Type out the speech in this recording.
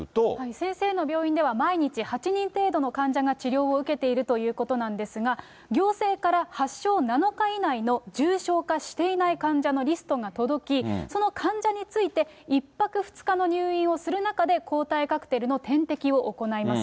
先生の病院では毎日８人程度の患者が治療を受けているということなんですが、行政から発症７日以内の重症化していない患者のリストが届き、その患者について１泊２日の入院をする中で、抗体カクテルの点滴を行います。